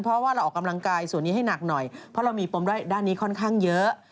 เพราะว่าเราออกกำลังกายส่วนนี้ให้หนักหน่อยเพราะเรามีปมด้านนี้ค่อนข้างเยอะ